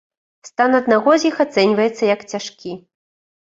Стан аднаго з іх ацэньваецца як цяжкі.